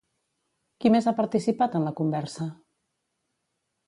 Qui més ha participat en la conversa?